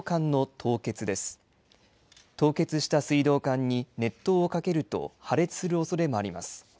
凍結した水道管に熱湯をかけると破裂するおそれもあります。